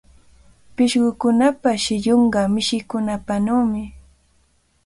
Pishqukunapa shillunqa mishikunapanawmi.